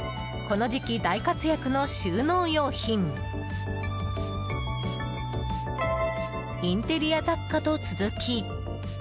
この時期、大活躍の収納用品インテリア雑貨と続き。